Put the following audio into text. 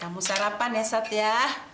kamu sarapan ya sat ya